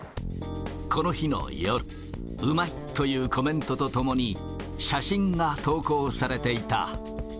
この日の夜、うまいというコメントとともに、写真が投稿されていた。